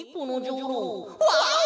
ワオ」！